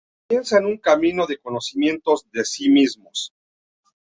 Comienzan un camino de conocimientos de sí mismos.